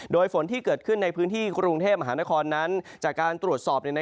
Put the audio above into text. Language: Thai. โดยฝนที่เกิดขึ้นในพื้นที่กรุงเทพมหานครนั้นจากการตรวจสอบ